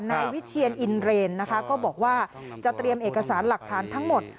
นายวิเชียนอินเรนนะคะก็บอกว่าจะเตรียมเอกสารหลักฐานทั้งหมด